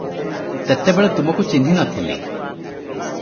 ତେତେବେଳେ ତୁମକୁ ଚିହ୍ନି ନ ଥିଲି ।